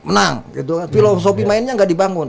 menang filosofi mainnya nggak dibangun